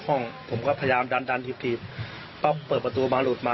ข้องผมก็พยายามดันดันทีปุ๊บเปิดประตุมาหลูดมา